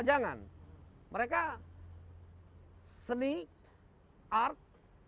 jangan mereka seni art